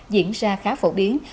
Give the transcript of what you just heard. diễn ra khá phổ biến